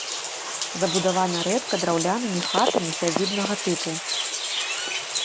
Забудавана рэдка драўлянымі хатамі сядзібнага тыпу.